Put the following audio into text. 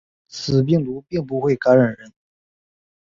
此病毒并不会感染人。